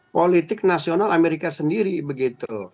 politik nasional amerika sendiri begitu